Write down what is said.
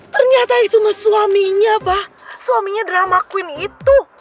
ternyata itu mah suaminya pa suaminya drama queen itu